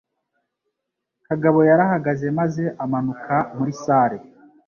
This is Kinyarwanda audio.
Kagabo yarahagaze maze amanuka muri salle.